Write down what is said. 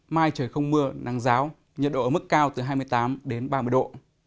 mai trời không mưa nắng ráo nhiệt độ ở mức cao từ hai mươi tám đến ba mươi độ